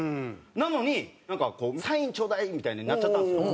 なのになんかこう「サインちょーだい」みたいになっちゃったんですよ。